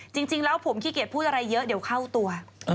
จริงแล้วผมขี้เกียจพูดอะไรเยอะเดี๋ยวเข้าตัว